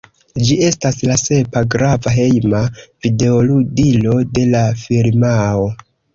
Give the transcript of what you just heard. Ĝi estas la sepa grava hejma videoludilo de la firmao.